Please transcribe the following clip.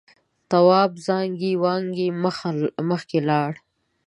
تواب زانگې وانگې مخکې لاړ.